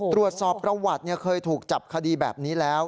ตรวจสอบประวัติเคยถูกจับคดีแบบนี้แล้ว